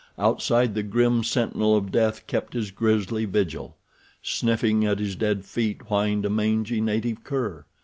Outside the grim sentinel of death kept his grisly vigil. Sniffing at his dead feet whined a mangy native cur.